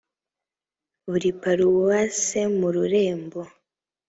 buri paruwase mu rurembo